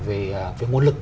về nguồn lực